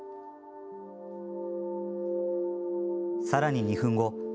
さらに、２分後。